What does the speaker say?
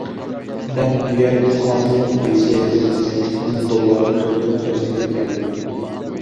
مەن بۇ يەرگە قانۇنلۇق ۋىزا ئېلىپ، يانچۇقۇمنى دوللارغا تولدۇرۇپ خەجلىگىلى كەلدىم.